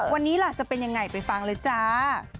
วันนี้ล่ะจะเป็นยังไงไปฟังเลยจ้า